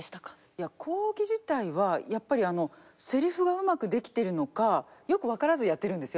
いや講義自体はやっぱりあのセリフがうまく出来てるのかよく分からずやってるんですよ